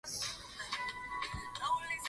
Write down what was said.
Kushirikisha wataalamu wa mifugo kwa ushauri zaidi